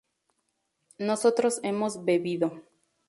nosotros hemos bebido